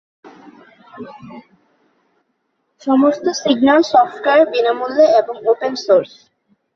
সমস্ত signal software বিনামূল্যে এবং ওপেন সোর্স।